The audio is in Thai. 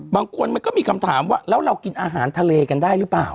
บางคนมันก็มีคำถามว่าแล้วเรากินอาหารทะเลกันได้หรือเปล่า